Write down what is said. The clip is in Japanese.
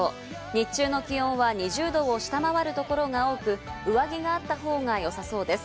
日中の気温は２０度を下回る所が多く、上着があったほうがよさそうです。